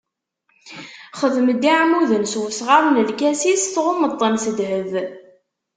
Xdem-d iɛmuden s wesɣar n lkasis tɣummeḍ-ten s ddheb.